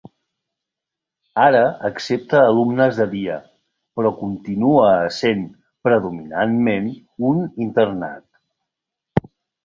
Ara accepta alumnes de dia, però continua essent predominantment un internat.